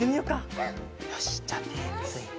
よしじゃあてついて。